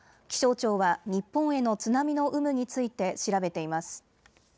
気象庁は日本への津波の有無について調べています。